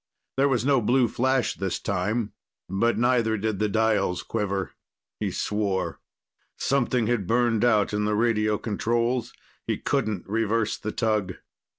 There was no blue flash this time, but neither did the dials quiver. He swore. Something had burned out in the radio controls. He couldn't reverse the tug.